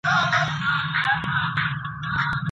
مرکزي کتابتون په ناڅاپي ډول نه انتقالیږي.